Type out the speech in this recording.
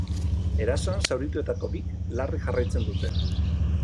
Erasoan zaurituetako bik larri jarraitzen dute.